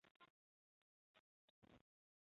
县治所在地为阿伯塔巴德。